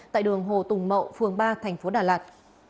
tại đường hồ tùng mậu phường ba thành phố đà lạt